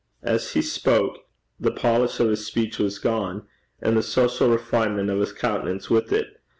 As he spoke, the polish of his speech was gone, and the social refinement of his countenance with it.